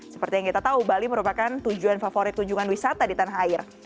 seperti yang kita tahu bali merupakan tujuan favorit kunjungan wisata di tanah air